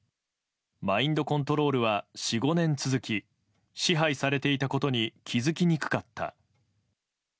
マインドコントロールは４５年続き支配されていたことに気づきにくかった。